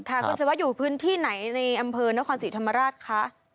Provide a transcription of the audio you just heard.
คุณศิวะอยู่พื้นที่ไหนในอำเภอนครศรีธรรมราชคะ